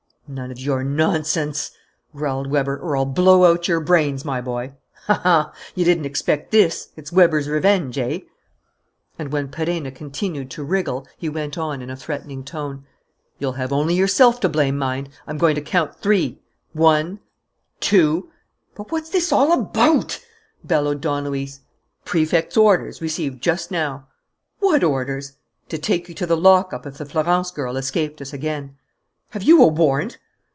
"None of your nonsense," growled Weber, "or I'll blow out your brains, my boy! Aha! you didn't expect this! It's Weber's revenge, eh?" And, when Perenna continued to wriggle, he went on, in a threatening tone: "You'll have only yourself to blame, mind!... I'm going to count three: one, two " "But what's it all about?" bellowed Don Luis. "Prefect's orders, received just now." "What orders?" "To take you to the lockup if the Florence girl escaped us again." "Have you a warrant?"